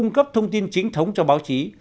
cung cấp thông tin chính thống cho báo chí